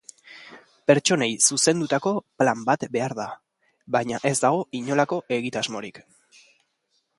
Pertsonei zuzendutako plan bat behar da, baina ez dago inolako egitasmorik.